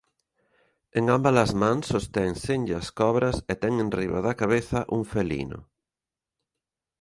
En ambas as mans sostén senllas cobras e ten enriba da cabeza un felino.